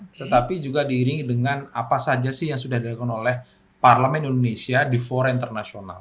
tetapi juga diiringi dengan apa saja sih yang sudah dilakukan oleh parlemen indonesia di forei internasional